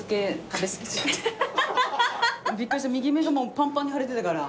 びっくりした右目がパンパンに腫れてたから。